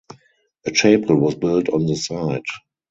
A chapel was built on the site.